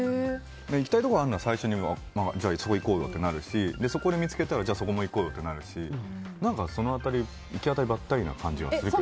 行きたいところあるなら最初にじゃあ、そこ行こうよってなるしそこ見つけたらじゃあそこも行こうよってなるしその辺り、行き当たりばったりな感じするけどね。